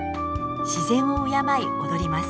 自然を敬い踊ります。